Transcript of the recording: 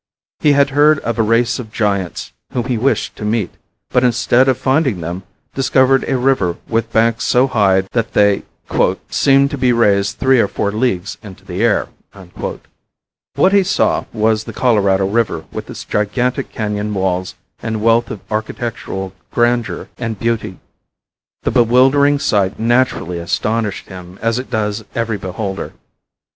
He heard of a race of giants whom he wished to meet, but instead of finding them discovered a river with banks so high that they "seemed to be raised three or four leagues into the air." What he saw was the Colorado River with its gigantic canon walls and wealth of architectural grandeur and beauty. The bewildering sight naturally astonished him as it does every beholder.